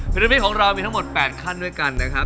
นามิของเรามีทั้งหมด๘ขั้นด้วยกันนะครับ